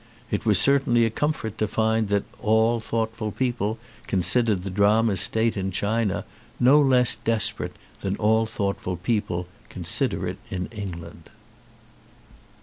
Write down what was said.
It was certainly a comfort to find that all thoughtful people considered the drama's state in China no less desperate than all thoughtful people consider it in England.